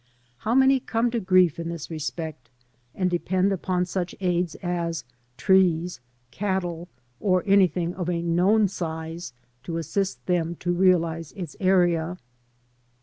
How many come to grief in this respect, and depend upon such aids as trees, cattle or anything of a known size to assist them to realise its area.